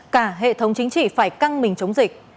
cả hệ thống chính trị phải căng mình chống dịch